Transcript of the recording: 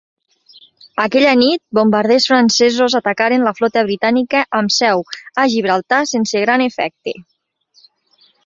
Aquella nit, bombarders francesos atacaren la flota britànica amb seu a Gibraltar sense gran efecte.